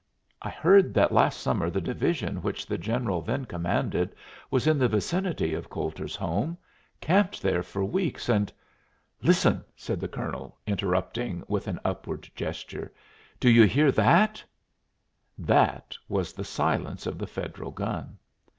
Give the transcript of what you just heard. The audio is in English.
"I heard that last summer the division which the general then commanded was in the vicinity of Coulter's home camped there for weeks, and " "Listen!" said the colonel, interrupting with an upward gesture. "Do you hear that?" "That" was the silence of the Federal gun.